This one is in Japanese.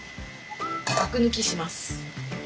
アク抜きします。